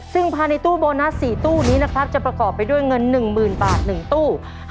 ซึ่งภายในตู้โบนัส๔ตู้นี้นะครับจะประกอบไปด้วยเงิน๑๐๐๐บาท๑ตู้